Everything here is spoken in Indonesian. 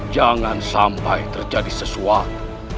jangan sampai terjadi sesuatu